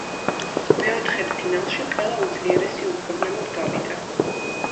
მეოთხედფინალში ყველა უძლიერესი უპრობლემოდ გავიდა.